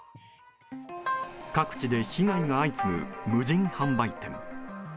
各地で被害が相次ぐ無人販売店。